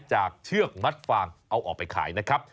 เชือกมัดฟางเอาออกไปขายนะครับ